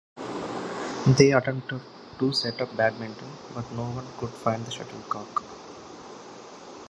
They attempted to set up badminton, but no one could find the shuttlecock.